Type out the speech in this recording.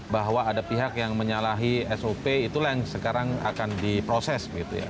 bahwa ada pihak yang menyalahi sop itulah yang sekarang akan diproses